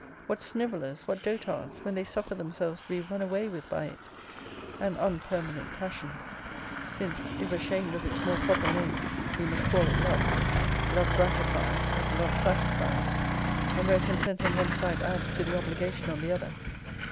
What snivellers, what dotards, when they suffer themselves to be run away with by it! An unpermanent passion! Since, if (ashamed of its more proper name) we must call it love, love gratified, is love satisfied and where consent on one side adds to the obligation on the other.